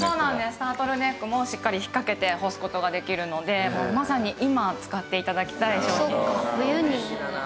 タートルネックもしっかり引っかけて干す事ができるのでまさに今使って頂きたい商品です。